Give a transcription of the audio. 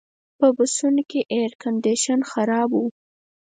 په بسونو کې ایرکنډیشن خراب و.